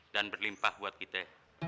dan berlimpah buat kita